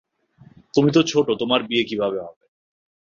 তুমি তো ছোট তোমার বিয়ে কীভাবে হবে?